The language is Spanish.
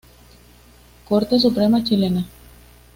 Corte Suprema chilena.